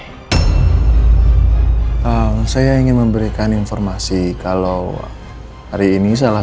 salah satu hal yang saya inginkan untuk anda beri informasi kalau hari ini salah